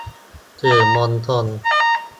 สื่อมวลชน